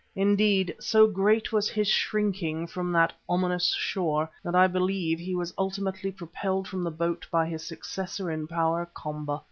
Indeed, so great was his shrinking from that ominous shore, that I believe he was ultimately propelled from the boat by his successor in power, Komba.